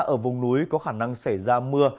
ở vùng núi có khả năng xảy ra mưa